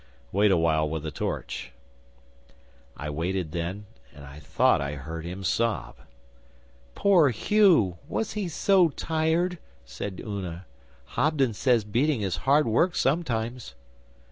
Wait awhile with the torch." 'I waited then, and I thought I heard him sob.' 'Poor Hugh! Was he so tired?' said Una. 'Hobden says beating is hard work sometimes.